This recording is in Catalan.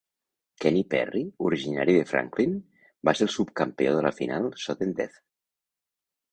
Kenny Perry, originari de Franklin, va ser el subcampió de la final "sudden-death".